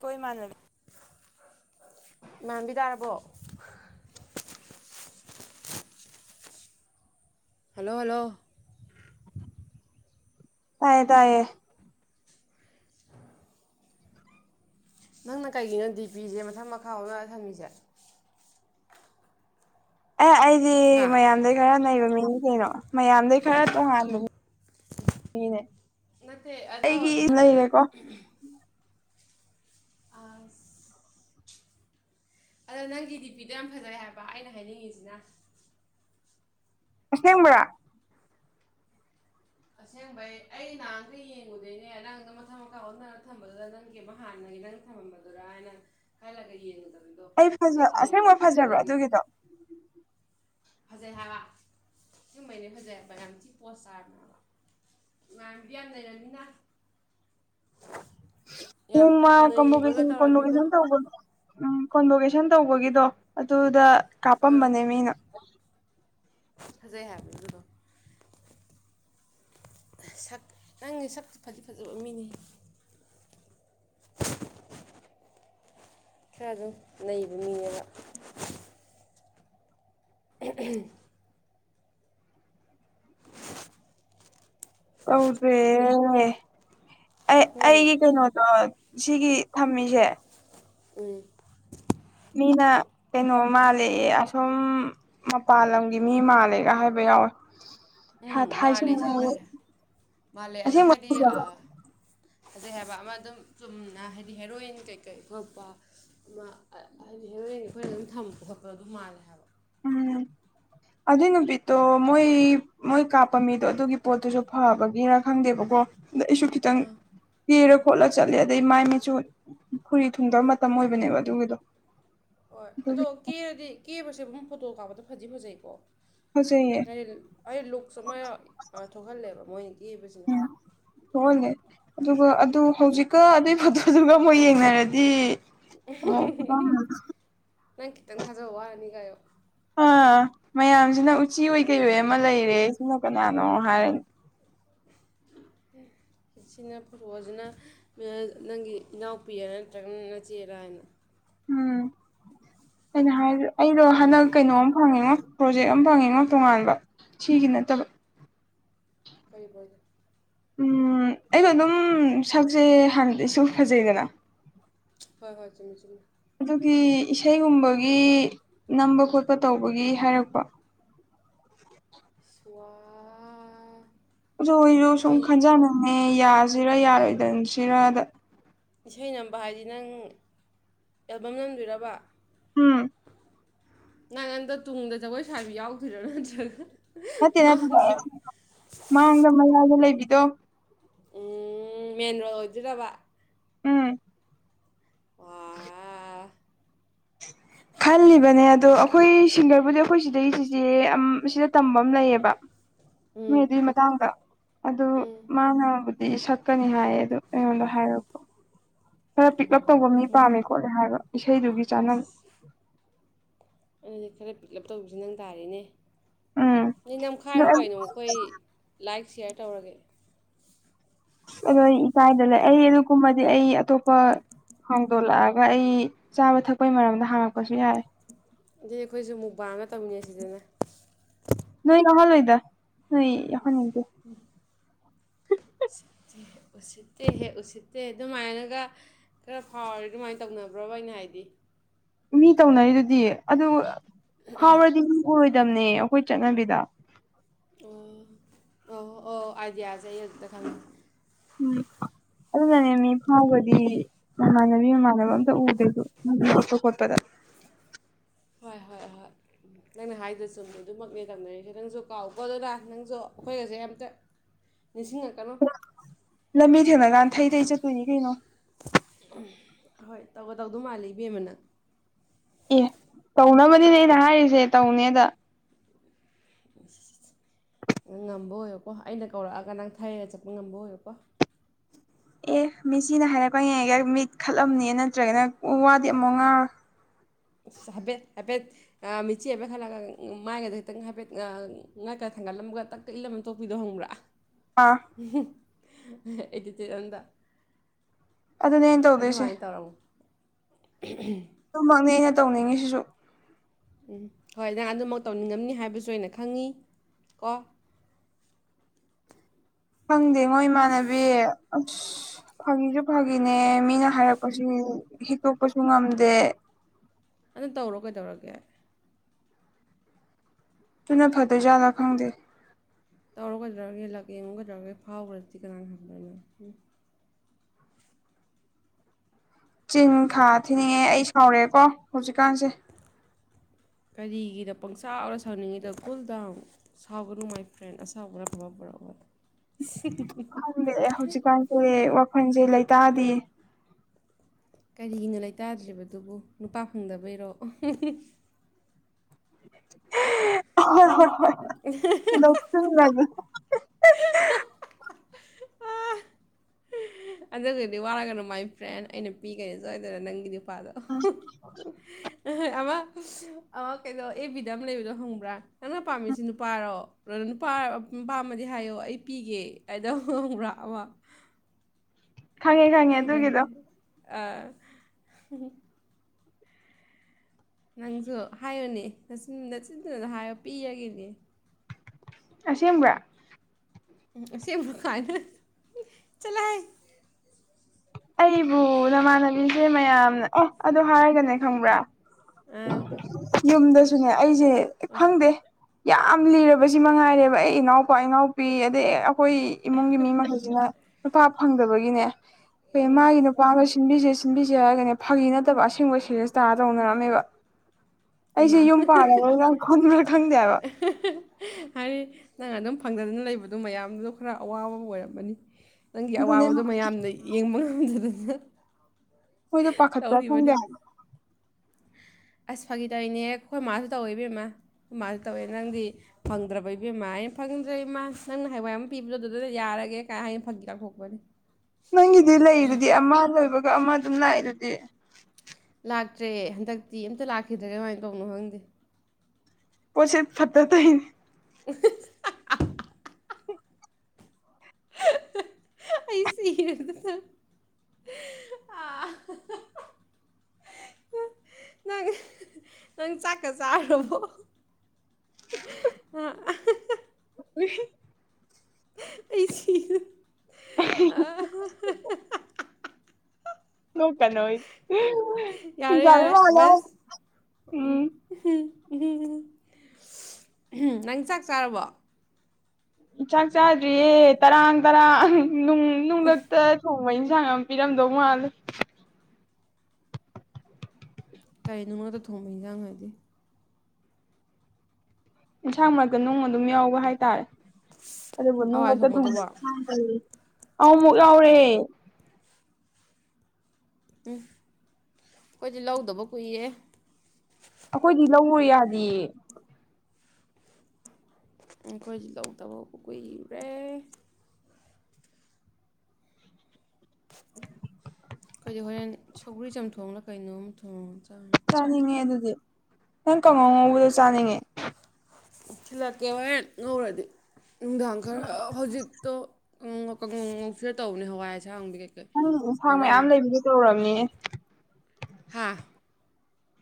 ꯀꯣꯏ ꯏꯃꯥꯟꯅꯕꯤ ꯏꯃꯥꯟꯅꯕꯤ ꯆꯥꯔꯕꯣ ꯍꯜꯂꯣ ꯍꯜꯂꯣ ꯇꯥꯏꯌꯦ ꯇꯥꯏꯌꯦ ꯅꯪꯅ ꯀꯩꯒꯤꯅꯪꯗꯤ ꯗꯤꯄꯤꯁꯦ ꯃꯊꯛ ꯃꯈꯥ ꯑꫭꯟꯅꯔꯥꯒ ꯊꯝꯃꯤꯁꯦ ꯑꯦ ꯑꯩꯗꯤ ꯍꯥꯥ ꯃꯌꯥꯝꯗꯩ ꯈꯔ ꯅꯩꯕ ꯃꯤꯅꯤ ꯀꯩꯅꯣ ꯃꯌꯥꯝꯗꯩ ꯈꯔ ꯇꯣꯉꯥꯟꯕꯅꯤ ꯃꯤꯅꯦ ꯅꯠꯇꯦ ꯑꯩꯒꯤ ꯑꯗꯣ ꯗꯤꯞ ꯂꯩꯔꯦꯀꯣ [inaudible] ꯑꯗꯣ ꯅꯪꯒꯤ ꯗꯤ ꯄꯤꯗꯣ ꯌꯥꯝ ꯐꯖꯩ ꯍꯥꯏꯕ ꯑꯩꯅ ꯍꯥꯏꯅꯤꯡꯉꯤꯁꯤꯅ ꯑꯁ°ꯡꯕꯔꫭ ꯑꯁꯦꯡꯕꯩ ꯑꯩ ꯅꯍꯈꯩ ꯌꯦꯡꯉꯨꯗꯣꯏꯅꯦ ꯅꯪꯗꫭ ꯃꯊꯛ ꯃꯈꯥ ꯑꯣꯟꯅꯊꯔ ꯊꯝꯕꯗꯨꯗꯥ ꯅꯪꯒꯤ ꯑꯃ ꯍꯥꯟꯅꯒꯤ ꯅꯪ ꯊꯝꯃꯝꯕꯗꯨꯔ ꯍꯥꯏꯅ ꯈꯜꯂꯒꯥ ꯌꯦꯡꯉꯨꯗꯕꯅꯤ ꯑꯩ ꯐꯖ ꯑꯁꯦꯡꯕꯩ ꯐꯖꯕ꯭ꯔꯣ ꯑꯗꯨꯒꯤꯗꯣ ꯐꯖꯩ ꯍꯥꯏꯕ ꯑꯁ°ꯡꯕꯩꯩꯅ° ꯐꯖꯩ ꯍꯥꯏꯕ ꯌꯥꯝ ꯊꯤ ꯄꯣꯁ ꯇꯥꯔꯝꯃ°ꯕ ꯏꯃꯥꯟꯅꯕꯤ ꯌꯥꯝꯅ ꯂꯩꯔꯃꯤꯅ [inaudible] ꯀꯝꫭꯀꯦꯁꯟ ꯇꯧꯔꯝꯃꯤꯀꯣ ꯀꯝꯣꯀꯦꯁꯟ [unintelligible] ꯎꯝ ꯀꯣꯟꯚꯣꯀꯦꯁꯟ ꯇꯧꯕꯒꯤꯗꯣ ꯑꯗꯨꯗꯥ ꯑꯥ ꯀꯥꯞꯄꯝꯕꯅꯦ ꯃꯤꯅ ꯐꯖꯩ ꯍꯥꯏꯕ ꯑꯗꯨꯗꯣ ꯁꯛ ꯅꯪ ꯁꯛ ꯐꯗꯤ ꯐꯖꯕ ꯃꯤꯅꯤ [inaudible] ꯈꯔ ꯑꯗꯨꯝ ꯅꯩꯕ ꯃꯤꯅꯦꯕ [inaudible] ꯀꯧ [inaudible] ꯑꯩ ꯎꯝ ꯑꯩꯒꯤ ꯀꯩꯅꯣꯗꫭ ꯁꯤꯒꯤ ꯊꯝꯃꯤꯁꯦ ꯎꯝ ꯃꯤꯅ ꯀꯩꯅꯣ ꯃꯥꯜꯂꯌ° ꯑꯁꯣꯝ ꯃꯄꯥꯜ ꯂꯝꯒꯤ ꯃꯤ ꯃꯥꯜꯂꯦꯒ ꯍꯥꯏꯕ ꯌꯥꯎꯋꯦ ꯎꯝ ꯃꯥꯜꯂꯦ ꯊꯥꯏꯁꯤꯡꯅ ꯑꯁ°ꯡꯕꯩ ꯃꯥꯜꯂꯦ ꯑꯗꯨꯝ ꯑꯁꯦꯡꯕ ꯍꯥꯏꯗꯤ ꯐꯖꯕ ꯑꯥ ꯐꯖꯩ ꯍꯥꯏꯕ ꯑꯃ ꯑꯗꯨꯝ ꯆꯨꯝꯅ ꯍꯥꯏꯗꯤ ꯍꯦꯔꯣꯏꯟ ꯀꯩꯀꯩ ꯈꯣꯛꯄ ꯍꯥꯏꯗꯤ ꯍꯦꯔꯣꯏꯦꯟ ꯑꯩꯈꯣꯏꯅ ꯑꯗꯨꯝ ꯊꯝꯕ ꯈꯣꯠꯄ ꯑꯗꯨꯝ ꯃꯥꯜꯂꯦ ꯍꯥꯏꯕ ꯎꯝ ꯑꯗꯨꯏ ꯅꯨꯄꯤꯠꯇꯣ ꯃꯣꯏ ꯃꯣꯏ ꯀꯥꯞꯄ ꯃꯤꯗꯣ ꯑꯗꯨꯒꯤ ꯄꯣꯠꯇꯨꯁꯨ ꯐꯕꯒꯤꯔ ꯈꯪꯗꯦꯕꯀꯣ ꯑꯗ ꯑꯩꯁꯨ ꯈꯤꯇꯪ ꯑꯥ ꯀꯦꯔꯥ ꯊꯣꯠꯂ ꯆꯠꯂꯦ ꯑꯗꯩ ꯃꯥꯏ ꯃꯤꯠꯁꯨ ꯐꯨꯔꯤ ꯊꯨꯡꯗꯕ ꯃꯇꯝ ꯑꯣꯏꯕꯅꯦꯕ ꯑꯗꯨꯒꯤꯗꯣ꯫ ꯍꯣꯏ ꯑꯗꯣ ꯑꯗꯨꯒꯤ ꯀꯦꯔꯗꯤ ꯀꯦꯕꯁꯦ ꯑꯗꯨꯝ ꯐꯣꯇꯣ ꯀꯥꯞꯄꯗ ꯐꯗꯤ ꯐꯖꯩꯀꯣ꯫ ꯐꯖꯩꯌꯦ ꯍꯥꯏꯗꯤ ꯑꯩ ꯂꯨꯛꯁ ꯑꯃ ꯊꯣꯛꯍꯜꯂꯦꯕ ꯃꯣꯏꯅ ꯀꯦꯕꯁꯦ꯫ ꯊꯣꯛꯍꯜꯂ ꯑꯗꯨꯒ ꯑꯗꯨ ꯍꯧꯖꯤꯛꯀ ꯑꯗꯨꯏ ꯐꯣꯇꯣꯗꯨꯒ ꯑꯃꯨꯛ ꯌꯦꯡꯅꯔꯗꯤ꯫ ꯑꯃꯨꯛ ꯅꯪ ꯈꯤꯇꯪ ꯊꯥꯖꯕꯥ ꯋꯥꯔꯥꯅꯤ ꯀꯥꯏꯌꯦ꯫ ꯑꯥ ꯃꯌꯥꯝꯁꯤꯅ ꯎꯆꯤ ꯑꯣꯏ ꯀꯩ ꯑꯣꯏ ꯑꯃ ꯂꯩꯔꯦ ꯁꯤꯅ ꯀꯅꯥꯅꯣ ꯍꯥꯏꯔꯅꯤ꯫ [inaudible] ꯁꯤꯅ ꯐꯨꯇꯣꯁꯤꯅ ꯅꯪꯒꯤ ꯏꯅꯥꯎꯄꯤꯔ ꯅꯠꯇ꯭ꯔꯒꯅ ꯅꯆꯦꯔ ꯍꯥꯏꯅ꯫ ꯎꯝ [inaudible] ꯑꯩꯅ ꯍꯥꯏ ꯑꯩꯗꯣ ꯍꯟꯗꯛ ꯀꯩꯅꯣꯝ ꯐꯪꯉꯤꯉꯣ ꯄ꯭ꯔꯣꯖꯦꯛ ꯑꯃ ꯐꯪꯉꯤꯉꯣ ꯇꯣꯉꯥꯟꯕ꯫ ꯁꯤꯒꯤ ꯅꯠꯇꯕ꯫ ꯀꯩ ꯄ꯭ꯔꯣꯖꯦꯛ? ꯎꯝ ꯑꯩꯗꯣ ꯑꯗꯨꯝ ꯁꯛꯁꯦ ꯍꯥꯟꯅꯗꯩꯁꯨꯨꯝ ꯐꯖꯩꯗꯅ, ꯍꯣꯏ ꯍꯣꯏ ꯆꯨꯝꯃꯤ ꯆꯨꯝꯃꯤ꯫ ꯑꯗꯨꯒꯤ ꯏꯁꯩꯒꯨꯝꯕꯒꯤ ꯅꯝꯕ ꯈꯣꯠꯄ ꯇꯧꯕꯒꯤ ꯍꯥꯏꯔꯛꯄ꯫ ꯁ꯭ꯋꯥ... ꯑꯗꯣ ꯑꯩꯁꯨ ꯁꯨꯝ ꯈꯟꯖꯅꯔꯦ ꯌꯥꯁꯤꯔꯥ ꯌꯥꯔꯣꯏꯗꯟꯁꯤꯔꯗ꯫ ꯏꯁꯩ ꯅꯝꯕ ꯍꯥꯏꯗꯤ ꯅꯪ ꯑꯦꯜꯕꯝ ꯅꯝꯗꯣꯏꯔꯕ? ꯎꯝ ꯅꯅꯟꯗ ꯇꯨꯡꯗ ꯖꯒꯣꯏ ꯁꯥꯥꯏꯕꯤ ꯌꯥꯎꯗꯣꯏꯔꯥ ꯅꯠꯇ꯭ꯔꯒ꯫ ꯅꯠꯇꯦ ꯅꯠꯇꯦ ꯃꯥꯡꯒꯤꯔꯣ ꯃꯥꯡꯗ ꯃꯌꯥꯏꯗ ꯂꯩꯕꯤꯗꯣ꯫ ꯎꯝ ꯃꯦꯟ ꯔꯣꯜꯗ ꯑꯣꯏꯗꯣꯏꯔꯕ? ꯎꯝ [inaudible] ꯑꯥ ꯈꯜꯂꯤꯕꯅꯦ ꯑꯗꯣ ꯑꯈꯣꯏ ꯁꯤꯡꯒꯔꯕꯨꯗꯤ ꯑꯈꯣꯏ ꯁꯤꯗꯩ ꯆꯤꯆꯦ ꯑꯝ ꯁꯤꯗ ꯇꯝꯕ ꯑꯃ ꯂꯩꯌꯦꯕ꯫ ꯃꯣꯏ ꯎꯝ ꯑꯗꯨ ꯃꯇꯥꯡꯗ ꯑꯗꯨ ꯎꯝ ꯃꯥꯅ ꯁꯛꯀꯅꯤ ꯍꯥꯏꯌꯦ ꯑꯗꯨꯗ ꯑꯩꯉꯣꯟꯗ ꯍꯥꯏꯔꯛ ꯈꯔ ꯄꯤꯛꯂꯞ ꯇꯧꯕ ꯃꯤ ꯃꯣ ꯄꯥꯝꯃꯦ ꯈꯣꯠꯂꯦ ꯍꯥꯏꯕ ꯏꯁꯩꯗꯨꯒꯤ ꯆꯥꯅ ꯑꯗꯨꯗꯤ ꯈꯔ ꯄꯤꯛꯂꯞ ꯇꯧꯕꯁꯤ ꯅꯪ ꯇꯥꯔꯤꯅꯦ ꯎꯝ ꯑꯗꯨꯗꯤ ꯑꯗꯣ ꯅꯝꯈꯥꯏꯔꯣ ꯑꯩ ꯀꯩꯅꯣ꯫ ꯈꯣꯏ ꯂꯥꯏꯛ ꯁꯤꯌꯥꯔ ꯇꯧꯔꯒꯦ꯫ ꯑꯁ ꯑꯗꯣ ꯑꯩ ꯏꯀꯥꯏꯗ ꯂꯩ ꯑꯩ ꯑꯗꯨꯒꯨꯝꯕꯗꯤ ꯑꯩ ꯑꯇꯣꯞꯄ ꯍꯥꯡꯗꯣꯛꯂꯛꯑ ꯑꯗꯨꯒ ꯑꯩ ꯆꯥꯕ ꯊꯛꯄꯩ ꯃꯔꯝꯗ ꯍꯥꯡꯉꯛꯄꯁꯨ ꯌꯥꯏ꯫ ꯑꯗꯨꯗꯤ ꯑꯩꯈꯣꯏꯁꯨ ꯃꯨꯛꯕꯥꯡ ꯇꯧꯃꯤꯟꯅꯁꯤꯗꯅ꯫ ꯅꯣꯏ ꯌꯥꯎꯍꯜꯂꯣꯏꯗ ꯅꯣꯏ ꯌꯥꯎꯍꯟꯅꯤꯡꯗꯦ꯫ ꯎꯁꯤꯠꯇꯦ ꯎꯁꯤꯠꯇꯦ ꯍꯦ ꯎꯁꯤꯠꯇꯦ ꯑꯗꯨꯃꯥꯏꯅꯒ ꯈꯔ ꯐꯥꯎꯔꯗꯤ ꯑꯗꯨꯃꯥꯏꯅ ꯇꯧꯅꯕ꯭ꯔꯥꯕ ꯑꯩꯅ ꯍꯥꯏꯗꯤ꯫ ꯃꯤ ꯇꯧꯅꯔꯤꯗꯨꯗꯤ ꯑꯗꯨ ꯐꯥꯎꯔꯗꯤ ꯃꯤ ꯑꯣꯏꯔꯣꯏꯗꯝꯅꯦ ꯑꯩꯈꯣꯏ ꯆꯠꯅꯕꯤꯗ꯫ ꯑꯣ ꯑꯣ ꯑꯣ ꯑꯥꯏꯗꯤꯌꯥꯁꯦ ꯑꯩ ꯍꯨꯖꯤꯛꯇ ꯈꯪꯉꯦ꯫ ꯎꯝ ꯑꯗꯨꯅꯦ ꯃꯤ ꯐꯥꯎꯕꯗꯤ ꯃꯅꯕꯤ ꯃꯥꯃꯟꯅꯕ ꯐꯝꯇ ꯎꯗꯦ ꯑꯗꯨ [unintelligible] ꯍꯣꯏ ꯍꯣꯏ ꯍꯣꯏ ꯅꯪꯅ ꯍꯥꯏꯗꯣ ꯆꯨꯝꯃꯤ ꯑꯗꯨꯃꯛꯅꯦ ꯇꯧꯅꯔꯤꯁꯦ ꯅꯪꯁꯨ ꯀꯥꯎꯀꯣ ꯑꯗꯨꯅ ꯅꯪꯁꯨ ꯑꯩꯈꯣꯏꯒꯁꯦ ꯑꯝꯇ ꯅꯤꯡꯁꯤꯡꯉꯛꯀꯥꯅꯣ꯫ ꯂꯝꯕꯤ ꯊꯦꯡꯅꯔꯀꯥꯟ ꯊꯩ ꯊꯩ ꯆꯠꯇꯣꯏꯅꯤ ꯀꯩꯅꯣ ꯎꯝ ꯍꯣꯏ ꯇꯧꯒꯇꯧꯗꯧ ꯃꯥꯜꯂꯦ ꯏꯕꯦꯝꯃ ꯅꯪ ꯑꯦ ꯇꯧꯅꯕꯅꯤꯅꯦ ꯑꯩꯅ ꯍꯥꯏꯔꯤꯁꯦ ꯇꯧꯅꯦꯗ ꯑꯁ ꯑꯁ‌ ꯑꯁ ꯉꯝꯕ ꯑꯣꯏꯌꯨꯀꯣ ꯑꯩꯅ ꯀꯧꯔꯛꯑꯥꯒ ꯅꯪ ꯊꯩꯔꯒ ꯆꯠꯄ ꯉꯝꯕ ꯑꯣꯏꯌꯨꯀꯣ ꯑꯦ ꯃꯤꯠꯆꯤꯅ ꯍꯥꯏꯔꯞꯀ ꯌꯦꯡꯉꯒ ꯃꯤꯠ ꯈꯠꯂꯝꯅꯦ ꯅꯠꯇ꯭ꯔꯒꯅ ꯎ ꯋꯥꯗꯤ ꯑꯃꯨꯛ ꯉꯥꯡꯉꯔꯣꯏ ꯏꯁ‌ ꯍꯥꯏꯕꯦꯠ ꯍꯥꯏꯕꯦꯠ ꯑꯥ ꯃꯤꯠꯆꯤ ꯍꯥꯏꯐꯦꯠ ꯈꯜꯂꯒ ꯃꯥꯏꯒꯗꯣ ꯈꯤꯇꯪ ꯍꯥꯏꯐꯦꯠ ꯑꯥ ꯉꯛꯀ ꯊꯥꯡꯒꯠꯂꯝꯂꯒ ꯇꯛꯇ ꯏꯜꯂꯝꯃ ꯇꯣꯛꯄꯤꯗꯣ ꯈꯪꯕ꯭ꯔꯥ [inaudible] ꯑꯥ [unintelligible] ꯑꯩꯗꯤ [unintelligible] ꯑꯗꯨꯅꯦ ꯑꯩꯅ ꯇꯧꯗꯣꯏꯁꯦ ꯑꯗꯨꯃꯥꯏꯅ ꯇꯧꯔꯝꯃꯨ ꯎꯝꯍꯨꯝ ꯑꯗꯨꯃꯛꯅꯦ ꯑꯩꯅ ꯇꯧꯅꯤꯡꯉꯤꯁꯤꯁꯨ ꯎꯝ ꯍꯣꯏ ꯅꯪ ꯑꯗꯨꯃꯛ ꯇꯧꯅꯤꯡꯉꯝꯅꯤ ꯍꯥꯏꯕꯁꯨ ꯑꯩꯅ ꯈꯪꯉꯤ ꯀꯣ ꯐꯪꯗꯦꯉꯣ ꯏꯃꯥꯟꯅꯕꯤ ꯑꯁ ꯐꯪꯉꯤꯁꯨ ꯐꯒꯤꯅꯦ ꯃꯤꯅ ꯍꯥꯏꯔꯛꯄꯁꯨ ꯍꯤꯛꯇꯣꯛꯄꯁꯨ ꯉꯝꯗꯦ ꯑꯗꯨ ꯇꯧꯔꯣ ꯀꯩꯗꯧꯔꯒꯦ ꯑꯗꯨꯨꯅ ꯐꯗꯣꯏꯖꯥꯠꯂꯥ ꯈꯪꯗꯦ ꯇꯧꯔꯣ ꯀꯩꯗꯧꯔꯒꯦ ꯂꯛ ꯌꯦꯡꯉꯨ ꯀꯩꯗꯧꯔꯒꯦ ꯐꯥꯎꯒ꯭ꯔꯗꯤ ꯀꯅꯥꯅ [unintelligible] ꯍꯨꯝ ꯆꯤꯟ ꯈꯥ ꯊꯤꯅꯤꯡꯑꯦ ꯑꯩ ꯁꯥꯎꯔꯛꯑꯦꯀꯣ ꯍꯧꯖꯤꯛꯀꯥꯟꯁꯦ ꯀꯔꯤꯒꯤꯔ ꯄꯪꯁꯥꯎꯗ ꯁꯥꯎꯅꯤꯡꯉꯤꯗꯣ ꯀꯨꯜ ꯗꯥꯎꯟ ꯁꯥꯒꯅꯨ ꯃꯥꯏ ꯐ꯭ꯔꯦꯟ ꯑꯁꯥꯎꯕꯅ ꯑꯐꯕ ꯄꯨꯔꯛꯑꯣꯏ [unintelligible] ꯍꯧꯖꯤꯛꯀꯥꯟ [unintelligible] ꯋꯥꯈꯜꯁꯦ ꯂꯩꯇꯥꯗꯤꯌꯦ ꯀꯔꯤꯒꯤꯅꯣ ꯂꯩꯇꯥꯗ꯭ꯔꯤꯕꯗꯨꯕꯨ ꯅꯨꯄꯥ ꯐꯪꯗꯕꯩꯔꯣ ꯑꯍꯣꯏ ꯍꯣꯏ ꯍꯣꯏ ꯍꯣꯏ ꯅꯣꯛꯁꯟꯅꯒꯅꯨ ꯑꯗꯨꯒꯤꯗꯤ ꯋꯥꯔꯒꯅꯨ ꯃꯥꯏ ꯐ꯭ꯔꯦꯟ ꯑꯩꯅ ꯄꯤꯒꯅꯤ ꯁꯣꯏꯗꯅ ꯅꯪꯒꯤ ꯅꯨꯄꯥꯗꯣ ꯑꯥ ꯑꯥꯍꯥ ꯑꯃ ꯑꯃ ꯀꯩꯩꯅꯣ ꯑꯦꯞ ꯕꯤꯗ ꯑꯃ ꯂꯩꯕꯗꯣ ꯈꯪꯕ꯭ꯔꯥ ꯅꯪꯅ ꯄꯥꯝꯃꯤꯁꯤ ꯅꯨꯄꯥꯔꯣ ꯅꯨꯄꯥ ꯄꯥꯝꯃꯗꯤ ꯍꯥꯏꯌꯣ ꯑꯩ ꯄꯤꯒꯦ ꯑꯩꯗꯣ ꯈꯪꯕ꯭ꯔꯥ ꯑꯃ ꯈꯪꯉꯦ ꯈꯪꯉꯦ ꯈꯪꯗ꯭ꯔꯦ ꯑꯗꯨꯒꯤꯗꯣ ꯑꯥ ꯅꯪꯖꯨ ꯍꯥꯏꯌꯨꯅꯦ ꯅꯆꯤꯟ ꯅꯆꯤꯟꯗꯨꯅ ꯍꯥꯏꯌꯣ ꯄꯤꯔꯒꯦꯅꯦ ꯑꯁꯦꯡꯕ꯭ꯔꯥ ꯎꯝ ꯑꯁꯦꯡꯕ ꯀꯥꯏꯅ ꯆꯠꯂꯣꯍꯦ ꯑꯩꯕꯨ ꯅꯃꯥꯟꯅꯕꯤꯁꯦ ꯃꯌꯥꯝꯅ ꯑꯣ ꯑꯗꯨ ꯍꯥꯏꯔꯒꯅꯦ ꯈꯪꯕ꯭ꯔꯥ ꯑꯥ ꯌꯨꯝꯗꯁꯨꯅꯦ ꯑꯩꯁꯦ ꯈꯪꯗꯦ ꯌꯥꯝ ꯂꯤꯔꯕꯁꯤ ꯃꯉꯥꯏꯔꯦꯕ ꯑꯩ ꯏꯅꯥꯎꯄꯥ ꯏꯅꯥꯎꯄꯤ ꯑꯗꯩ ꯑꯩꯈꯣꯏ ꯏꯃꯨꯡꯒꯤ ꯃꯤ ꯃꯈꯩ ꯖꯤꯅ ꯅꯨꯄꯥ ꯐꯪꯗꯕꯒꯤꯅꯦ ꯎꯝ ꯃꯥꯒꯤ ꯅꯨꯄꯥ ꯑꯃ ꯁꯤꯟꯕꯤꯁꯦ ꯁꯤꯟ ꯁꯤꯟꯕꯤꯁꯦ ꯍꯥꯏꯔꯒꯅꯦ ꯐꯥꯒꯤ ꯅꯠꯇꯕ ꯑꯁꯦꯡꯕ ꯁꯦꯔꯤꯌꯁ ꯇꯥꯔ ꯇꯧꯅꯔꯝꯃꯤꯕ ꯑꯩꯖꯦ ꯏꯃꯥ ꯌꯨꯝ ꯄꯥꯜꯂꯔꯣꯏꯅ ꯈꯟꯕ꯭ꯔꯥ ꯈꯪꯗꯦ ꯍꯥꯏꯕ [unintelligible] ꯍꯥꯏꯗꯤ ꯅꯪ ꯑꯗꯨꯝ ꯐꯪꯗꯗꯅ ꯂꯩꯕꯗꯣ ꯃꯌꯥꯝꯗꯨ ꯈꯔ ꯑꯋꯥꯕ ꯑꯣꯏꯔꯝꯃꯅꯤ ꯅꯪꯒꯤ ꯑꯗꯨꯅꯦ ꯑꯋꯥꯕꯗꯣ ꯃꯌꯥꯝꯅ ꯌꯦꯡꯕ ꯉꯝꯗꯗꯅ ꯃꯣꯏꯗꯣ ꯄꯥꯈꯠꯄ꯭ꯔꯥ ꯇꯧꯔꯤꯕꯅꯤ ꯈꯪꯗꯦ ꯍꯥꯏꯕ ꯑꯁ ꯐꯥꯒꯤ ꯇꯧꯔꯤꯅꯦꯍꯦ ꯑꯩꯈꯣꯏ ꯃꯥꯁꯨ ꯇꯧꯋꯤ ꯏꯕꯦꯝꯃ ꯑꯩꯈꯧꯏ ꯃꯥꯁꯨ ꯇꯧꯋꯦ ꯅꯪꯗꯤ ꯐꯪꯗ꯭ꯔꯕ ꯏꯕꯦꯝꯃꯥ ꯑꯩꯅ ꯐꯪꯗ꯭ꯔꯦ ꯏꯃꯥ ꯅꯪꯅ ꯍꯌꯦꯡꯋꯥꯏ ꯑꯃ ꯄꯤꯕꯗꯣ ꯑꯗꯨꯗ ꯌꯥꯔꯒꯦ ꯀꯥꯏ ꯍꯥꯏꯅ ꯐꯥꯒꯤ ꯇꯥꯊꯣꯛꯄꯅꯤ [inaudible] ꯅꯪꯒꯤꯗꯤ ꯂꯩꯗꯨꯗꯤ ꯑꯃ ꯂꯣꯏꯕꯒ ꯑꯃ ꯑꯗꯨꯝ ꯂꯥꯛꯑꯦ ꯗꯨꯗꯤ ꯂꯥꯛꯇ꯭ꯔꯦ ꯍꯟꯗꯛꯇꯤ ꯑꯝꯇꯥ ꯂꯥꯛꯈꯤꯗ꯭ꯔꯦ ꯀꯃꯥꯏꯟ ꯇꯧꯅꯣ ꯈꯪꯗꯦ ꯄꯣꯁꯤꯠ ꯐꯠꯇꯥ ꯇꯩꯅꯤ [unintelligible] ꯑꯩ ꯁꯤꯔꯦꯗ ꯅꯪ ꯑꯥ ꯅꯪ ꯅꯪ ꯆꯥꯛꯀꯥ ꯆꯥꯔꯕꯣ ꯑꯥ [unintelligible] ꯑꯩ ꯁꯤꯔꯦ ꯑꯥ ꯅꯣꯛꯇꯥ ꯅꯣꯛꯏ ꯐꯤ ꯌꯥꯔꯦ ꯁꯥꯕꯩ ꯌꯥꯔꯦ ꯋꯥ [unintelligible] ꯕꯁ ꯎꯝ ꯅꯪ ꯆꯥꯛ ꯆꯥꯔꯕꯣ ꯏꯆꯥꯛ ꯆꯥꯗ꯭ꯔꯤꯌꯦ ꯇꯔꯥꯡ ꯇꯔꯥꯡ ꯅꯨꯡ ꯅꯨꯡꯂꯛꯇꯥ ꯊꯣꯡꯕꯩꯅꯤ ꯏꯟꯁꯥꯡ ꯑꯃ ꯄꯤꯔꯝꯗꯧ ꯃꯥꯜꯂꯦ ꯀꯩ ꯅꯨꯡꯂꯛꯉꯥꯛꯇꯥ ꯊꯣꯡꯕ ꯏꯟꯖꯥꯡ ꯍꯥꯏꯗꯤ ꯏꯟꯁꯥꯡ ꯃꯔꯛꯇꯥ ꯅꯨꯡ ꯑꯗꯨꯝ ꯌꯥꯎꯕ ꯍꯥꯏꯇꯥꯔꯦ ꯑꯗꯨꯕꯨ ꯅꯨꯡ ꯍꯋꯥꯏ ꯃꯔꯛꯇꯥ ꯊꯣꯡꯕ ꯊꯣꯡꯕꯗꯨꯕꯣ ꯏꯟꯁꯥꯡ [inaudible] ꯑꯃꯨꯛ ꯃꯨꯛ ꯌꯥꯎꯔꯦ ꯎꯝ ꯑꯈꯣꯏꯗꯤ ꯂꯧꯗꯕ ꯀꯨꯏꯌꯦ ꯑꯈꯣꯏꯗꯤ ꯂꯧꯔꯣꯏ ꯌꯥꯗꯤꯌꯦ ꯎꯡꯈꯣꯏꯒꯤ ꯂꯧ ꯇꯥꯕ ꯀꯨꯏꯔꯦ ꯈꯣꯏꯗꯤ ꯍꯣꯔꯦꯟ ꯁꯧꯒ꯭ꯔꯤ ꯆꯝꯊꯣꯡꯂ ꯀꯩꯅꯣꯝ ꯊꯣꯡꯉꯥ ꯆꯥꯔꯅꯤ ꯆꯥꯅꯤꯡꯉꯦ ꯑꯗꯨꯗꯤ ꯅꯪ ꯀꯥꯉꯧ ꯉꯧꯕꯗꯣ ꯆꯥꯅꯤꯡꯉꯦ ꯊꯤꯜꯂꯛ ꯀꯦ ꯍꯣꯔꯦꯟ ꯉꯧꯔꯗꯤ ꯅꯨꯡꯗꯥꯡ ꯈꯔ ꯍꯧꯖꯤꯛꯇꯣ ꯎꯡꯉꯥ ꯀꯥꯡꯉꯧ ꯉꯧꯁꯤꯔꯥ ꯇꯧꯕꯅꯦ ꯍꯋꯥꯏ ꯑꯁꯥꯡꯕꯤ ꯀꯩꯀꯩ ꯅꯪ ꯏꯟꯁꯥꯡ ꯉꯔꯥꯡ ꯃꯌꯥꯝ ꯂꯩꯕꯤꯒꯦ ꯇꯧꯔꯝꯃꯤꯌꯦ ꯍꯥꯥ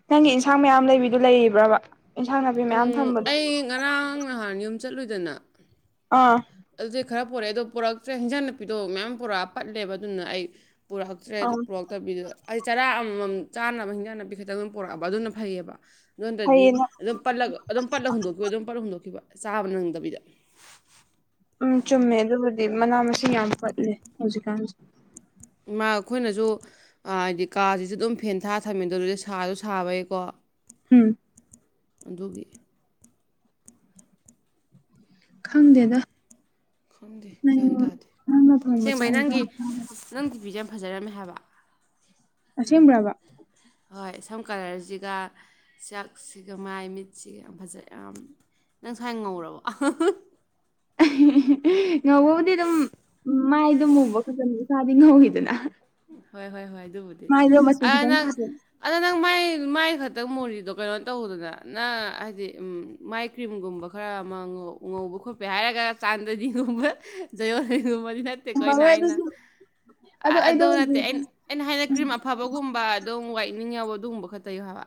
ꯅꯪꯒꯤ ꯏꯟꯁꯥꯡ ꯃꯌꯥꯝ ꯂꯩꯕꯤꯗꯣ ꯂꯩꯔꯤꯕ꯭ꯔꯥꯕ ꯏꯟꯁꯥꯡ ꯅꯥꯄꯤ ꯃꯌꯥꯝ ꯎꯝ ꯊꯝꯕꯗꯣ ꯑꯩ ꯉꯔꯥꯡ ꯅꯍꯥꯟ ꯌꯨꯝ ꯆꯠꯂꯨꯗꯅ ꯑꯥ ꯑꯗꯨꯗꯩ ꯈꯔ ꯄꯣꯔꯦꯗꯣ ꯄꯣꯔꯛꯇ꯭ꯔꯦ ꯍꯤꯟꯖꯥꯡ ꯅꯥꯄꯤꯗꯣ ꯃꯌꯥꯝ ꯄꯨꯣꯔꯛꯑꯥ ꯄꯠꯂꯦꯕ ꯑꯗꯨꯅ ꯑꯩ ꯄꯨꯔꯛꯇ꯭ꯔꯦ ꯑꯗꯨ ꯑꯪ ꯄꯨꯔꯛ ꯇꯕꯤꯗꯣ ꯑꯩ ꯆꯔꯥ ꯑꯃꯃꯝ ꯆꯥꯅꯕ ꯍꯤꯟꯖꯥꯡ ꯅꯥꯄꯤ ꯈꯛꯇꯪ ꯑꯗꯨꯝ ꯄꯔꯛꯑꯕ ꯑꯗꯨꯅ ꯐꯩꯌꯦꯑꯕ ꯑꯗꯨ ꯅꯠꯇ꯭ꯔꯥꯗꯤ ꯐꯩꯌꯦ ꯅꯪ ꯑꯗꯨꯝ ꯄꯠꯂꯒ ꯑꯗꯨꯝ ꯄꯠꯂꯒ ꯍꯨꯟꯗꯣꯛꯈꯤꯕ ꯑꯗꯨꯝ ꯄꯠꯂ ꯍꯨꯟꯗꯣꯛꯈꯤꯕ ꯆꯥꯕ ꯅꯪꯗꯕꯤꯗꯥ ꯎꯝ ꯆꯨꯝꯃꯦ ꯑꯗꯨꯕꯨꯗꯤ ꯃꯅꯥ ꯃꯁꯤꯡ ꯌꯥꯝ ꯄꯠꯂꯦ ꯍꯧꯖꯤꯛꯀꯥꯟꯁꯦ ꯏꯃꯥ ꯈꯣꯏꯅꯖꯨ ꯑꯥ ꯍꯥꯏꯗꯤ ꯀꯥꯖꯤꯖꯨ ꯑꯗꯨꯝ ꯐꯦꯟ ꯊꯥꯔ ꯊꯝꯃꯤꯗꯣ ꯑꯗꯨꯗꯩ ꯁꯥꯖꯨ ꯁꯥꯕꯩꯀꯣ ꯎꯝ ꯑꯗꯨꯒꯤ ꯈꯪꯗꯦꯗ ꯈꯪꯗꯦ ꯅꯪ ꯒ꯭ꯌꯥꯟ ꯇꯥꯗꯦ ꯅꯪꯅ ꯊꯣꯡꯕ ꯁꯦꯡꯕꯩ ꯆꯥꯛ ꯅꯪꯒꯤ ꯏꯟꯁꯥꯡ ꯅꯪ ꯈꯨꯕꯤꯖꯦ ꯌꯥꯝ ꯐꯖꯔꯝꯃꯦ ꯍꯥꯏꯕ ꯑꯁꯦꯡꯕ꯭ꯔꯥꯕ ꯍꯣꯏ ꯁꯝ ꯀꯂꯔꯖꯤꯒꯥ ꯆꯥꯛꯁꯤꯒꯥ ꯃꯥꯏ ꯃꯤꯠꯁꯤꯒꯥ ꯌꯥꯝ ꯐꯖꯩ ꯌꯥꯝ ꯅꯪ ꯁꯥꯏ ꯉꯧꯔꯕꯣ ꯉꯧꯕꯕꯨꯗꯤ ꯑꯗꯨꯝ ꯃꯥꯏꯗꯨꯝ ꯃꯨꯕ ꯈꯠꯇꯥꯅꯤ ꯏꯁꯥꯗꯤ ꯉꯧꯋꯤꯗꯅ ꯍꯣꯏ ꯍꯣꯏ ꯍꯣꯏ ꯑꯗꯨꯕꯨꯗꯤ ꯃꯥꯏꯗꯣ ꯃꯆꯨ ꯑꯥ ꯈꯤꯇꯪ ꯅꯪ ꯊꯥꯖꯤꯟ ꯑꯗꯣ ꯅꯪ ꯃꯥꯏ ꯃꯥꯏ ꯈꯠꯇ ꯃꯣꯔꯤꯗꯣ ꯀꯩꯅꯣ ꯇꯧꯗꯅ ꯅ ꯍꯥꯏꯗꯤ ꯃꯥꯏ ꯀ꯭ꯔꯤꯝꯒꯨꯝꯕ ꯈꯔ ꯃ ꯉꯧ ꯉꯧꯕ ꯈꯣꯠꯄꯩ ꯍꯥꯏꯔꯒ ꯆꯥꯟꯗꯅꯤꯒꯨꯝꯕ ꯖꯌꯣꯅꯤꯒꯨꯝꯕꯗꯤ ꯅꯠ ꯇꯦꯀꯣ ꯑꯩꯅ ꯉꯝꯃꯔꯣꯏ ꯍꯥꯏꯅ ꯑꯗꯨꯁꯨ ꯑꯗꯣ ꯑꯥ ꯑꯩꯗꯣ ꯍꯧꯖꯤꯛ ꯑꯩꯅ ꯍꯥꯏꯅ ꯀ꯭ꯔꯤꯝ ꯑꯐꯕꯒꯨꯝꯕ ꯑꯗꯨꯝ ꯋꯥꯏꯠꯅꯤꯡ ꯌꯥꯎꯕ ꯑꯗꯨꯒꯨꯝꯕ ꯈꯛ ꯇꯩꯌꯨ ꯍꯥꯏꯕ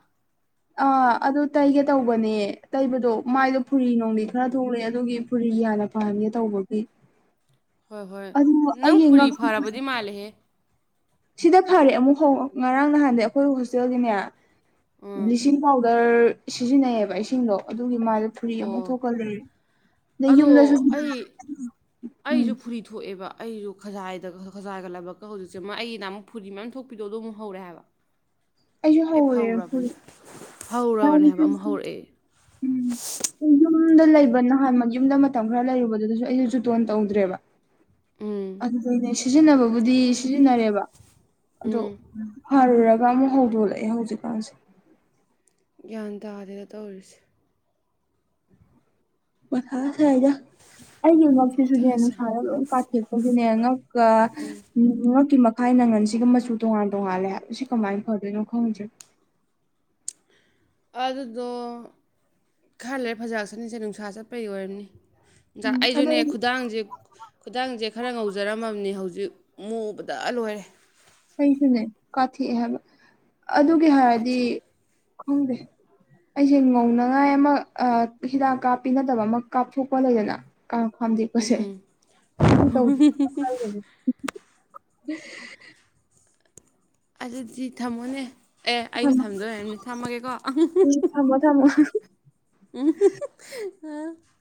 ꯑ ꯑꯗꯨ ꯇꯩꯒꯦ ꯇꯧꯕꯅꯦ ꯇꯩꯕꯗꯣ ꯃꯥꯏꯗꯣ ꯐꯨꯔꯤ ꯅꯨꯡꯗꯤ ꯈꯔ ꯊꯣꯛꯂꯛꯑꯦ ꯑꯗꯨꯒꯤ ꯐꯨꯔꯤ ꯍꯥꯟꯅ ꯐꯍꯟꯒꯦ ꯇꯧꯕꯒꯤ ꯍꯣꯏ ꯍꯣꯏ ꯑꯗꯨ ꯅꯪ ꯐꯨꯔꯤ ꯑꯩꯒꯤ ꯐꯔꯕꯗꯤ ꯃꯥꯜꯂꯦꯍꯦ ꯁꯤꯗ ꯐꯔꯦ ꯑꯃꯨꯛ ꯍꯧ ꯉꯔꯥꯡ ꯅꯍꯥꯟꯗꯤ ꯑꯈꯣꯏ ꯍꯣꯁꯇꯦꯜꯒꯤꯅꯦ ꯎꯝ ꯕ꯭ꯂꯤꯆꯤꯡ ꯄꯥꯎꯗꯔ ꯁꯤꯖꯤꯟꯅꯩꯌꯦꯕ ꯏꯁꯤꯡꯗꯣ ꯑꯗꯨꯒꯤ ꯃꯥꯏ ꯐꯨꯔꯤ ꯑꯃꯨꯛ ꯑꯣ ꯊꯣꯛꯀꯂꯦ ꯗꯩ ꯌꯨꯝꯗꯁꯨ ꯎꯝ ꯑꯩꯖꯨ ꯐꯨꯔꯤ ꯊꯣꯛꯑꯦꯕ ꯑꯩꯁꯨ ꯈꯖꯥꯏꯗ ꯈꯖꯥꯏꯒ ꯂꯥꯏꯕꯛꯀ ꯍꯧꯖꯤꯛꯁꯦ ꯑꯩꯒꯤꯗ ꯑꯃꯨꯛ ꯐꯨꯔꯤ ꯃꯌꯥꯝ ꯊꯣꯛꯄꯤꯗꯣ ꯑꯗꯨ ꯃꯨꯛ ꯍꯧꯔꯦ ꯍꯥꯏꯕ ꯑꯩꯁꯨ ꯑꯩ ꯍꯧꯔꯦ ꯐꯨꯔꯤ ꯐꯧꯔꯕꯅꯦ ꯍꯧꯔꯕꯅꯦ ꯍꯥꯏꯕ ꯑꯃꯨꯛ ꯍꯧꯔꯛꯑꯦ [unintelligible] [inaudible] ꯌꯨꯝꯗ ꯂꯩꯕ ꯅꯍꯥꯟ ꯃ ꯌꯨꯝꯗ ꯃꯇꯝ ꯈꯔ ꯂꯩꯔꯨꯕꯗꯨꯗꯁꯨ ꯑꯩꯖꯨ ꯖꯣꯇꯣꯟ ꯇꯧꯗ꯭ꯔꯦꯕ ꯎꯝ ꯑꯗꯨꯗꯩꯩꯅꯦ ꯁꯤꯖꯤꯟꯅꯕꯕꯨꯗꯤ ꯁꯤꯖꯤꯟꯅꯔꯦꯕ ꯑꯗꯣ ꯎꯝ ꯐꯔꯨꯔꯒ ꯑꯃꯨꯛ ꯍꯧꯗꯣꯛꯂꯛꯑꯦ ꯍꯧꯖꯤꯛꯀꯥꯟꯁꯦ ꯒ꯭ꯌꯥꯟ ꯇꯥꯗꯦꯅ ꯇꯧꯔꯤꯁꯦ ꯃꯊꯥ ꯁꯥꯏꯗ ꯑꯩꯒꯤ ꯃꯊꯥ ꯉꯛꯁꯤꯁꯨꯅꯦ ꯁꯥꯏ ꯅꯨꯡꯁꯥꯗ ꯂꯣꯏ ꯀꯥꯊꯦꯛꯄꯒꯤꯅꯦ ꯉꯛꯀ ꯉꯛꯀꯤ ꯃꯈꯥꯏ ꯅꯪꯒꯟꯁꯤꯒ ꯃꯆꯨ ꯇꯣꯉꯥꯟ ꯇꯣꯉꯥꯂꯦ ꯍꯥꯏꯕ ꯁꯤ ꯀꯃꯥꯏꯅ ꯐꯗꯣꯏꯅꯣ ꯈꯪꯗ꯭ꯔꯦ ꯑꯥ ꯑꯗꯨꯗꯣ ꯈ ꯂꯩꯔꯦ ꯐꯖꯔꯆꯅꯤꯁꯦ ꯅꯨꯡꯁꯥ ꯆꯠꯄꯩ ꯑꯣꯏꯔꯝꯅꯤ ꯖꯥ ꯎꯝ ꯑꯗꯣ ꯑꯩꯖꯨꯅꯦ ꯈꯨꯗꯥꯡꯖꯦ ꯈꯨꯗꯥꯡꯖꯦ ꯈꯔ ꯉꯧꯖꯔꯝꯃꯝꯅꯤ ꯍꯧꯖꯤꯛ ꯃꯨꯕꯗ ꯂꯣꯏꯔꯦ ꯑꯩꯁꯨꯅꯦ ꯀꯥꯊꯦꯛꯑꯦ ꯍꯥꯏꯕ ꯑꯗꯨꯒꯤ ꯍꯥꯏꯔꯗꯤ ꯀꯥꯊꯤ ꯈꯪꯗꯦ ꯑꯩꯁꯦ ꯉꯧꯅꯉꯥꯏ ꯑꯃ ꯑꯥ ꯍꯤꯗꯥꯛ ꯀꯥꯞꯄꯤ ꯅꯠꯗꯕ ꯑꯃ ꯀꯥꯞꯊꯣꯛꯄ ꯂꯩꯗꯅ ꯑꯥ ꯈꯥꯝꯗꯦꯛꯄꯁꯦ ꯑꯗꯨ ꯇꯧ [inaudible] ꯑꯗꯨꯗꯤ ꯊꯝꯃꯣꯅꯦ ꯑꯦ ꯑꯩꯅ ꯈꯪꯗꯦ ꯊꯝꯗꯣꯏ ꯑꯣꯏꯔꯝꯅꯤ ꯊꯝꯃꯒꯦꯀꯣ ꯊꯝꯃꯣ ꯊꯝꯃꯣ ꯊꯝꯃꯣ [unintelligible]